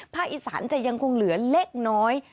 อีสานจะยังคงเหลือเล็กน้อย